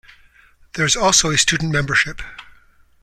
There is also a student membership.